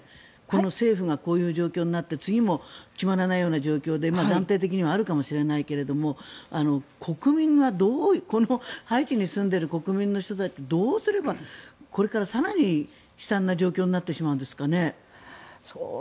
政府がこういう状況になって次も決まらないような状況で暫定的にはあるかもしれないけどハイチに住んでいる国民の人たちはこれから更に悲惨な状況になってしまうんですかね。